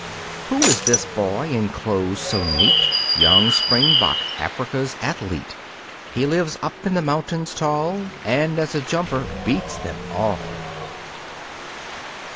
who is this boy in clothes so neat? Young Spring bok, Africa's athlete. He lives up in the mountains tall, And as a jumper beats them all.